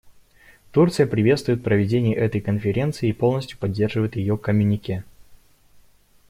Турция приветствует проведение этой конференции и полностью поддерживает ее коммюнике.